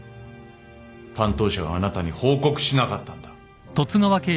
担当者があなたに報告しなかったんだ。